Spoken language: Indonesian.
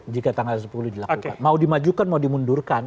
jika tanggal sepuluh dilakukan mau dimajukan mau dimundurkan